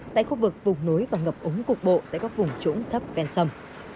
tại khu vực vùng núi và ngập ống cục bộ tại các vùng trũng thấp ven sâm